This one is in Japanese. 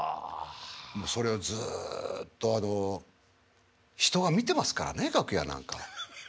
もうそれをずっとあの人が見てますからね楽屋なんか。